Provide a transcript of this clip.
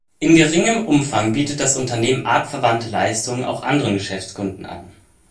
In geringerem Umfang bietet das Unternehmen artverwandte Leistungen auch anderen Geschäftskunden an.